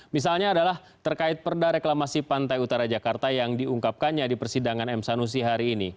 misalnya adalah terkait perda reklamasi pantai utara jakarta yang diungkapkannya di persidangan m sanusi hari ini